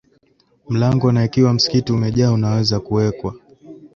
mlango Na ikiwa msikiti umejaa unaweza kuweka